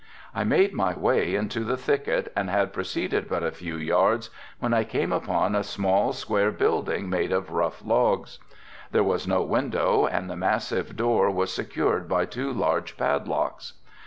I made my way into the thicket and had proceeded but a few yards, when I came upon a small, square building made of rough logs. There was no window and the massive door was secured by two large padlocks.